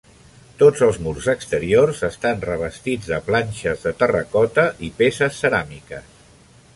Tots els murs exteriors estan revestits de planxes de terracota i peces ceràmiques.